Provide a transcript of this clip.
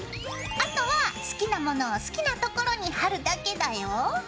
あとは好きな物を好きなところに貼るだけだよ。